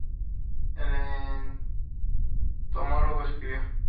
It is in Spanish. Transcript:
El entomólogo escribió:.